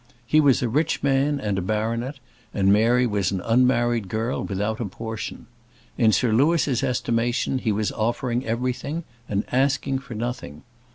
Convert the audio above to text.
He was a rich man and a baronet, and Mary was an unmarried girl without a portion. In Sir Louis's estimation he was offering everything, and asking for nothing.